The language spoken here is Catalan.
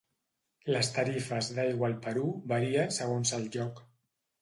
Les tarifes d'aigua al Perú varien segons el lloc.